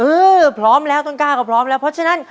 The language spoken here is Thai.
พร้อมแล้วต้นกล้าก็พร้อมแล้วเพราะฉะนั้น